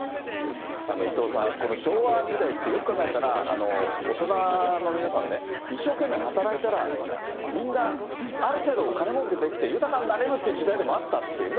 伊藤さん、この昭和時代って、よく考えたら、大人の皆さんね、一生懸命働いたらみんな、ある程度、お金もうけできて豊かになれるっていう時代でもあったというね。